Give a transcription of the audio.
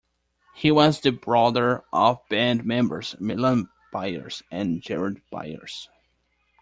He was the brother of band members Milam Byers and Jared Byers.